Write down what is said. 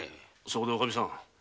そこでおカミさん。